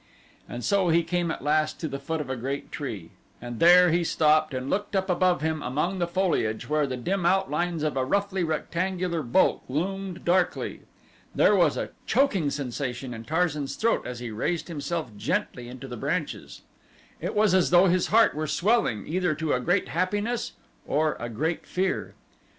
And so he came at last to the foot of a great tree and there he stopped and looked up above him among the foliage where the dim outlines of a roughly rectangular bulk loomed darkly. There was a choking sensation in Tarzan's throat as he raised himself gently into the branches. It was as though his heart were swelling either to a great happiness or a great fear.